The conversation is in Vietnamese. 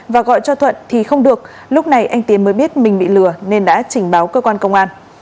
và gọi cho thuận thì không được lúc này anh tiến mới biết mình bị lừa nên đã trình báo cơ quan công an